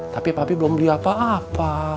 tapi papi belum beli apa apa